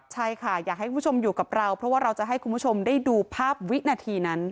ใช่ค่ะอยากให้คุณผู้ชมอยู่กับเราเพราะว่าเราจะให้คุณผู้ชมได้ดูภาพวินาทีนั้น